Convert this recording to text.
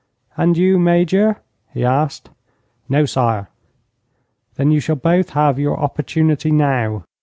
'And you, Major?' he asked. 'No, sire.' 'Then you shall both have your opportunity now.'